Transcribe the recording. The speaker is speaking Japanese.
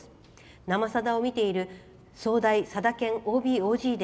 「生さだ」を見ている早大さだ研ＯＢ・ＯＧで